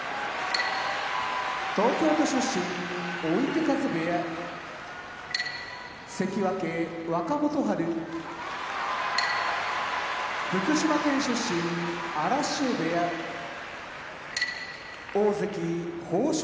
東京都出身追手風部屋関脇・若元春福島県出身荒汐部屋大関豊昇